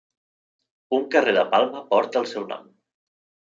Un carrer de Palma porta el seu nom.